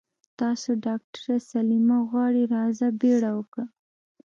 تاسو ډاکټره سليمه غواړي راځه بيړه وکړه.